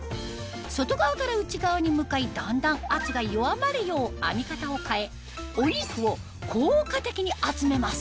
外側から内側に向かいだんだん圧が弱まるよう編み方を変えお肉を効果的に集めます